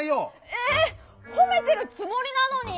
ええ⁉ほめてるつもりなのに！